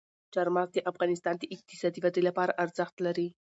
چار مغز د افغانستان د اقتصادي ودې لپاره ارزښت لري.